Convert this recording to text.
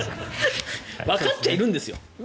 わかっちゃいるんですよ。